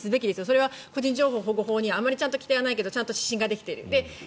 それは個人情報保護法にあまり規定はないけどちゃんと指針ができている。